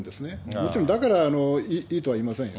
もちろん、だからいいとは言いませんよ。